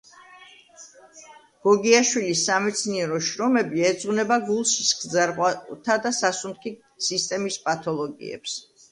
გოგიაშვილის სამეცნიერო შრომები ეძღვნება გულ-სისხლძარღვთა და სასუნთქი სისტემის პათოლოგიებს.